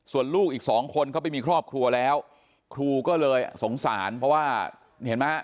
ส่วนลูกอีกสองคนเขาไปมีครอบครัวแล้วครูก็เลยสงสารเพราะว่าเห็นไหม